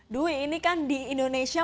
dwi ini kan di indonesia